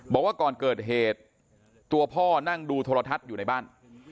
บอกว่าก่อนเกิดเหตุตัวพ่อนั่งดูโทรทัศน์อยู่ในบ้าน